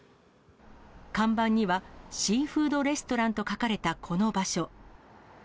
看板には、シーフードレストランと書かれたこの場所。